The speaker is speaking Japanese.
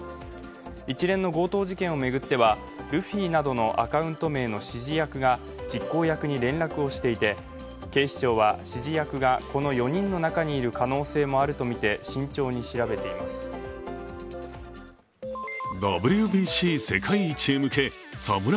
一連の強盗事件を巡ってはルフィなどのアカウント名の指示役が実行役に連絡をしていて警視庁は指示役がこの４人の中にいる可能性もあるとみて慎重に調べています。